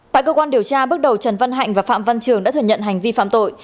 tại cơ quan điều tra bước đầu trần văn hạnh và phạm văn trường đã thừa nhận hành vi phạm tội